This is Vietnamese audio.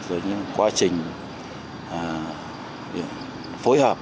và những quá trình phối hợp